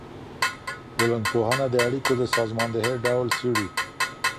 ټولنپوهنه د اړيکو د سازماندهۍ ډول څېړي.